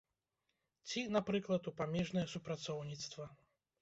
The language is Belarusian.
Ці, напрыклад, у памежнае супрацоўніцтва.